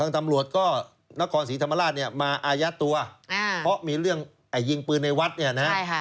ตำรวจก็นครศรีธรรมราชเนี่ยมาอายัดตัวเพราะมีเรื่องยิงปืนในวัดเนี่ยนะฮะ